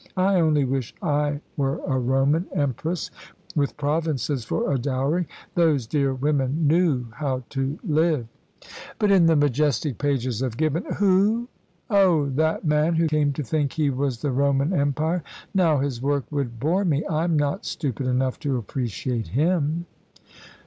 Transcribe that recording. I only wish I were a Roman empress, with provinces for a dowry. Those dear women knew how to live." "But in the majestic pages of Gibbon " "Who? Oh, that man who came to think he was the Roman Empire. Now his work would bore me I'm not stupid enough to appreciate him."